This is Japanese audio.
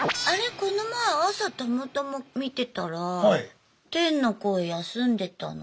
この前朝たまたま見てたら天の声休んでたの。